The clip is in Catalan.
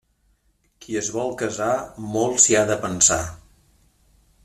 Qui es vol casar, molt s'hi ha de pensar.